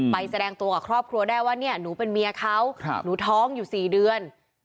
แสดงตัวกับครอบครัวได้ว่าเนี่ยหนูเป็นเมียเขาหนูท้องอยู่๔เดือน